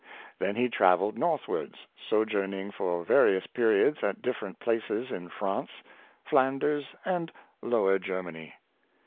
Then he traveled north wards, sojourning for various periods at different places in France, Flanders, and Lower Germany.